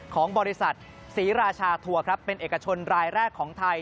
ของบริษัทศรีราชาทัวร์ครับเป็นเอกชนรายแรกของไทย